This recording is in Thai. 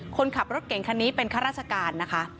คนขับรถเก่งคันนี้เป็นข้าราชการนะคะ